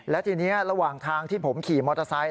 และทีนี้ระหว่างทางที่ผมขี่มอเตอร์ไซค